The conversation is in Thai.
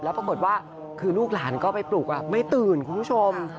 แล้วปรากฏว่าคือลูกหลานก็ไปปลุกไม่ตื่นคุณผู้ชม